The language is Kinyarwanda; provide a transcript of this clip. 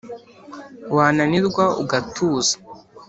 wananirwa ugatuza